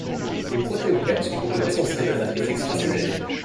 Les protéoglycanes sont des composants essentiels de la matrice extracellulaire.